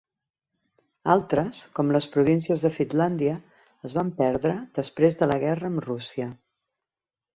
Altres, com les províncies de Finlàndia es van perdre després de la guerra amb Rússia.